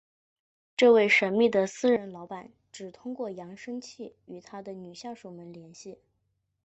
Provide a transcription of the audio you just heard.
这位神秘的私人老板只通过扬声器与他的女下属们联系。